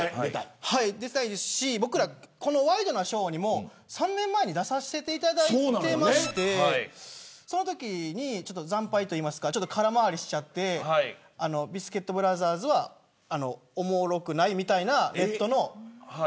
僕ら、ワイドナショーにも３年前に出させていただいてましてそのとき惨敗といいますか空回りしてしまってビスケットブラザーズはおもろくないみたいなネットの。